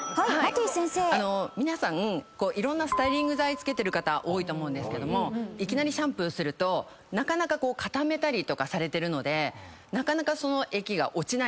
皆さんいろんなスタイリング剤付けてる方多いと思うんですがいきなりシャンプーすると固めたりとかされてるのでなかなかその液が落ちない。